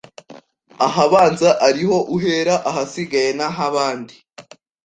Ahabanza ariho uhera ahasigaye nahabandi